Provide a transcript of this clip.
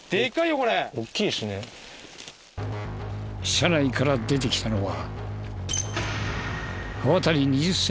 車内から出てきたのは。